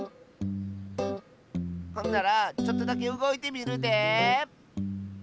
ほんならちょっとだけうごいてみるで！